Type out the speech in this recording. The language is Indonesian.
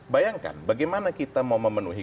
bayangkan bagaimana kita mau memenuhi